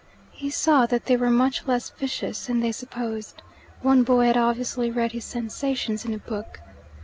He saw that they were much less vicious than they supposed: one boy had obviously read his sensations in a book.